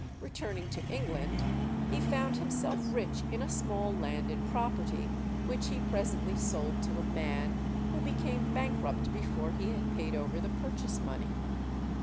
Returning to England, he found himself rich in a small landed property, which he presently sold to a man who became bankrupt before he had paid over the purchase money.